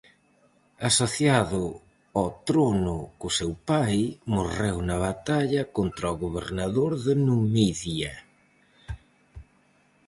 Asociado ao trono co seu pai, morreu na batalla contra o gobernador de Numidia.